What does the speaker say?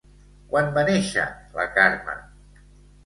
Quan va néixer la Carme?